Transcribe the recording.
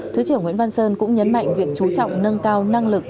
thứ trưởng nguyễn văn sơn cũng nhấn mạnh việc chú trọng nâng cao năng lực